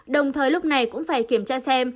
đồng thời lúc này cũng phải kiểm tra xem